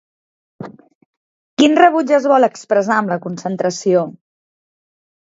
Quin rebuig es vol expressar amb la concentració?